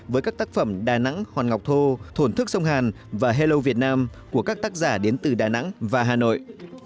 với các tác phẩm đà nẵng hòn ngọc thô thổn thức sông hàn và hello việt nam của các tác giả đến từ đà nẵng và hà nội